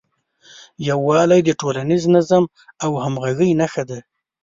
یووالی د ټولنیز نظم او همغږۍ نښه ده.